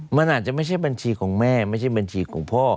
มันอาจจะไม่ใช่บัญชีของแม่ไม่ใช่บัญชีของพ่อ